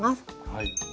はい。